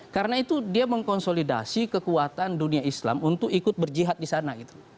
karena itu dia mengkonsolidasi kekuatan dunia islam untuk ikut berjihad di sana